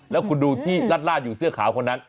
แล้วคุณดูที่ลาดอยู่เสื้อขาวคนนั้น